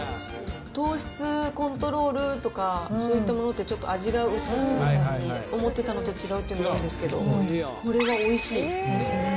糖質コントロールとか、そういったものってちょっと味が薄すぎたり、思ってたのと違うっていうのが多いんですけど、これはおいしい。